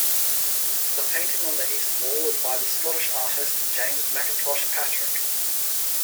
The painting on the east wall is by the Scottish artist James McIntosh Patrick.